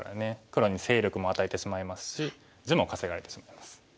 黒に勢力も与えてしまいますし地も稼がれてしまいます。